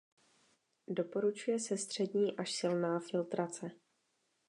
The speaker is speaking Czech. Doporučuje se střední až silná filtrace.